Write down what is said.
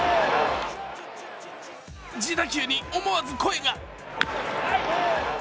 自打球に思わず声が。